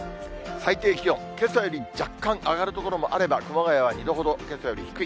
最低気温、けさより若干上がる所もあれば、熊谷は２度ほどけさより低い。